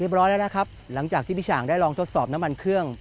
ร้อยแล้วนะครับหลังจากที่พี่ฉ่างได้ลองทดสอบน้ำมันเครื่อง